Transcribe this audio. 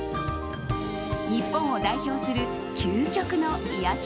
日本を代表する究極の癒やし